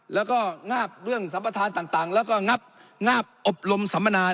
แล้วก็งาบเรื่องสัมประธานต่างแล้วก็งับงาบอบรมสัมมนา